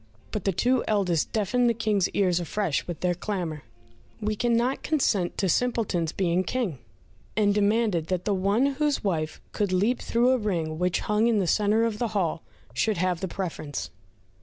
But the two eldest deafened the King's ears afresh with their clamour, "We cannot consent to Simpleton's being King," and demanded that the one whose wife could leap through a ring which hung in the centre of the hall should have the preference.